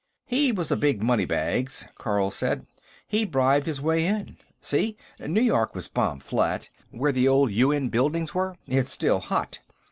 "He was a big moneybags," Carl said. "He bribed his way in. See, New York was bombed flat. Where the old UN buildings were, it's still hot.